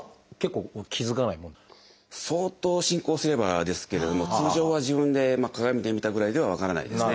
相当進行すればですけれども通常は自分で鏡で見たぐらいでは分からないですね。